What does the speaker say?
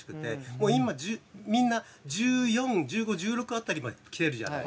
もう今みんな１４１５１６辺りまできてるじゃない。